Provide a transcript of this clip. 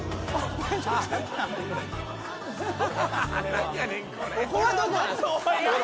何やねんこれ？